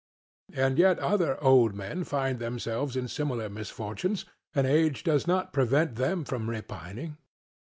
CRITO: And yet other old men find themselves in similar misfortunes, and age does not prevent them from repining.